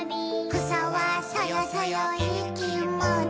「くさはそよそよいいきもち」